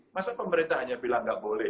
masa pemerintah hanya bilang nggak boleh